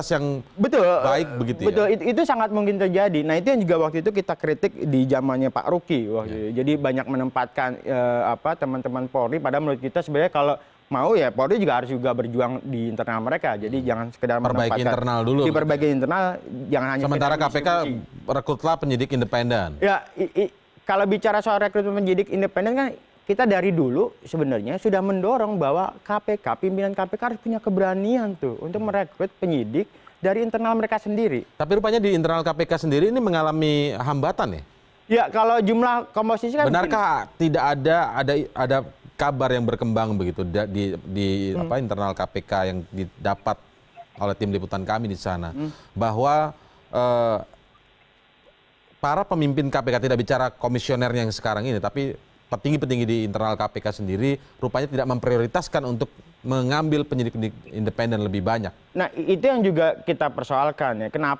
yang melibatkan internal itu gak akan mungkin